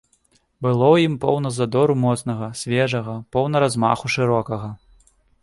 Было ў ім поўна задору моцнага, свежага, поўна размаху шырокага.